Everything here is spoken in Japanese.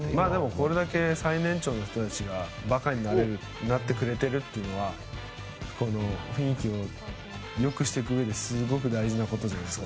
これだけ最年長の人たちが馬鹿になってくれてるっていうのは雰囲気を良くしていくうえですごく大事なことじゃないですか。